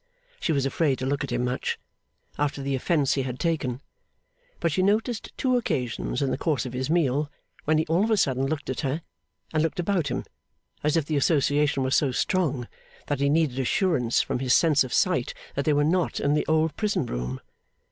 She was afraid to look at him much, after the offence he had taken; but she noticed two occasions in the course of his meal, when he all of a sudden looked at her, and looked about him, as if the association were so strong that he needed assurance from his sense of sight that they were not in the old prison room.